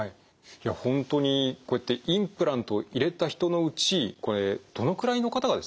いやほんとにこうやってインプラントを入れた人のうちこれどのくらいの方がですね